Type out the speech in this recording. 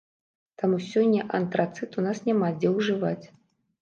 Таму сёння антрацыт у нас няма дзе ўжываць.